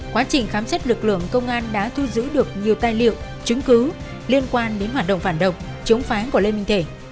quá trình khám xét lực lượng công an đã thu giữ được nhiều tài liệu chứng cứ liên quan đến hoạt động phản động chống phá của lê minh thể